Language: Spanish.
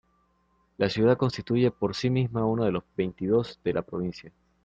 La ciudad constituye por sí misma uno de los veintidós de la provincia.